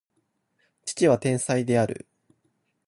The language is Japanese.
父は天才である